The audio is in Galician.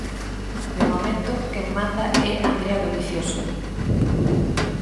De momento quen manda é Andrea Dovizioso.